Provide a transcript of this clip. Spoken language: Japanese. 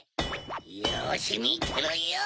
よしみてろよ！